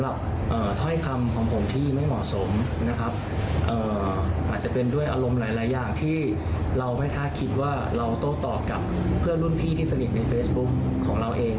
เราโต๊ะตอบกับเพื่อนรุ่นพี่ที่สนิทในเฟซบุ๊คของเราเอง